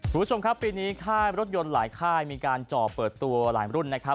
คุณผู้ชมครับปีนี้ค่ายรถยนต์หลายค่ายมีการจ่อเปิดตัวหลายรุ่นนะครับ